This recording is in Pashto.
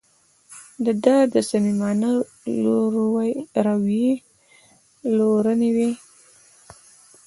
د ده د صمیمانه رویې لورونې وې.